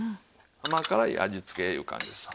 甘辛い味付けいう感じですわ。